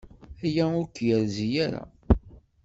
Aya ur k-yerzi ara.